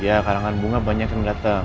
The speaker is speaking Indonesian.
iya karangan bunga banyak yang dateng